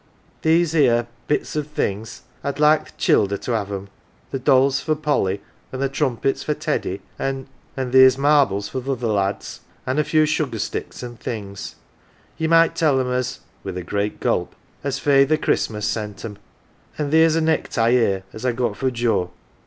"These here bits o' things I'd like th' childer to 'ave 'em. The doll's for Polly, an' the trumpet's for Teddy, an' theer's marbles for th' other lads, an' a few sugar sticks an' things. Ye might tell 'em as " with a great gulp "as Feyther Christmas sent 'em. An* theer's a necktie here as I got for Joe.